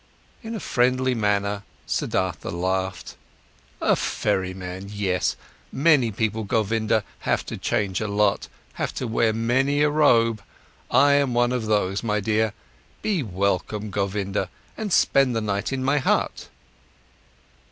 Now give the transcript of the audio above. In a friendly manner, Siddhartha laughed. "A ferryman, yes. Many people, Govinda, have to change a lot, have to wear many a robe, I am one of those, my dear. Be welcome, Govinda, and spend the night in my hut."